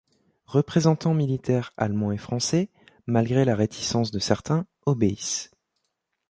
Représentants militaires allemands et français, malgré la réticence de certains, obéissent.